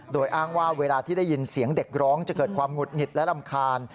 โดยอ้างว่าเวลาที่ได้ยินเสียงเด็กร้องจะเกิดความหุดหงิดและรำคาญ